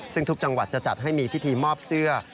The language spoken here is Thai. ซึ่งทุกจังหวัดจะจัดให้มีพิธีมอบเสื้อ